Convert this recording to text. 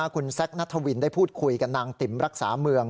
คุณแซคนัทวินได้พูดคุยกับนางติ๋มรักษาเมือง